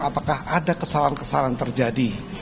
apakah ada kesalahan kesalahan terjadi